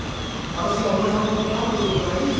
私がお前さんの分食べてくるからいいよ。